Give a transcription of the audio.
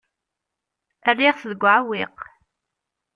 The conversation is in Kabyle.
Rriɣ-t deg uɛewwiq.